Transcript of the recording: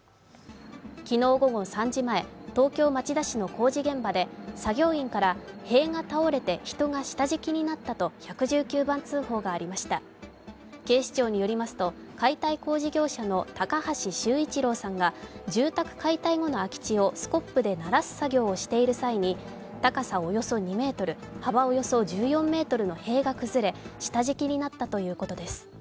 昨日午後３時前、東京・町田市の工事現場で作業員から、塀が倒れて人が下敷きになったと１１９番通報がありました警視庁によりますと解体工事業者の高橋修一郎さんが住宅解体後の空き地をスコップでならす作業をしているうちに高さおよそ２ｍ、幅およそ１４ｍの塀が崩れ下敷きになったということです。